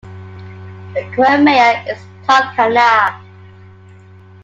The current mayor is Todd Kana.